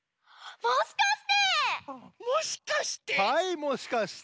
もしかして！